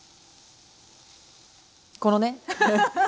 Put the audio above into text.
このね。